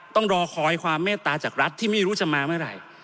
ต้องรอคอยความเมตตาจากรัฐที่ไม่รู้จะมาเมื่อไหร่